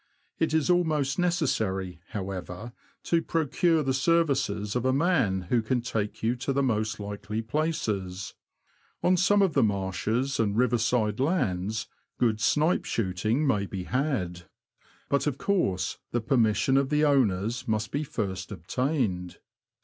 It is almost necessary, however, to procure the services of a man who can take you to the most likely places. On some of the marshes and riverside lands good snipe shooting may be had ; but of course the per mission of the owners must be first obtained.